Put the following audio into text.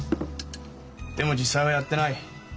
でも実際はやってない。